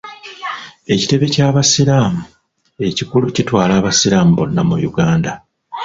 Ekitebe ky'Abasiraamu ekikulu kitwala Abasiraamu bonna mu Uganda.